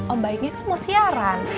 oh baiknya kan mau siaran